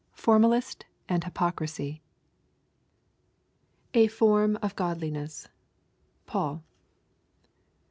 FORMALIST AND HYPOCRISY 'A form of godliness.' Paul.